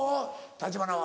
立花は。